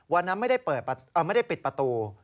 วันนั้นไม่ได้ปิดประตู